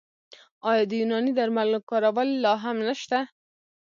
آیا د یوناني درملو کارول لا هم نشته؟